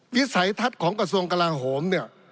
วิสัยทัศน์ของกระทรวงกลาโหมเนี่ย